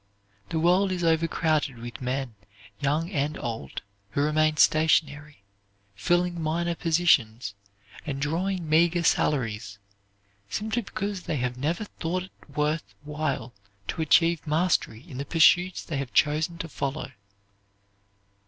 The world is overcrowded with men, young and old, who remain stationary, filling minor positions, and drawing meager salaries, simply because they have never thought it worth while to achieve mastery in the pursuits they have chosen to follow.